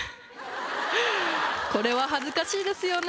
これは恥ずかしいですよね